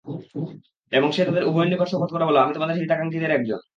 এবং সে তাদের উভয়ের নিকট শপথ করে বলল, আমি তোমাদের হিতাকাক্ষীদের একজন।